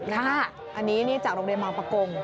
ค่ะอันนี้จากโรงเรียนเมาส์ปลากง